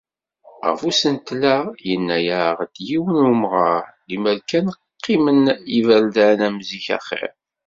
Ɣef usentel-a, yenna-aɣ-d yiwen n umɣar: "Limer kan qqimen yiberdan am zik axir."